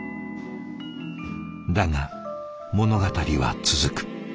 「だが、物語は続く」。